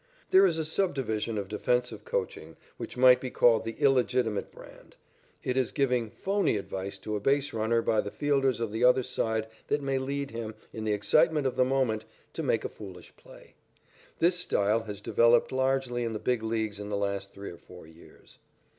There is a sub division of defensive coaching which might be called the illegitimate brand. It is giving "phoney" advice to a base runner by the fielders of the other side that may lead him, in the excitement of the moment, to make a foolish play. This style has developed largely in the Big Leagues in the last three or four years.